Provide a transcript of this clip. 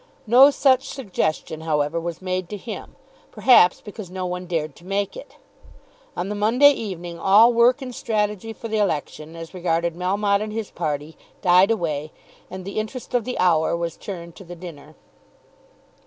No such suggestion, however, was made to him, perhaps because no one dared to make it. On the Monday evening all work and strategy for the election, as regarded Melmotte and his party, died away; and the interest of the hour was turned to the dinner.